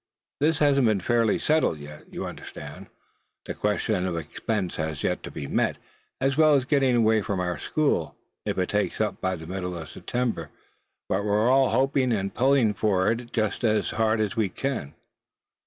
That hasn't been fully settled yet, you understand; the question of expense has to be met, as well as getting away from our school, if it takes up by the middle of September. But we're all hoping, and pulling for it just as hard as we can."